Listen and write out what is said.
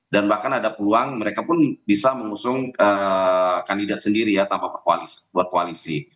dan bahkan ada peluang mereka pun bisa mengusung kandidat sendiri ya tanpa perkoalisi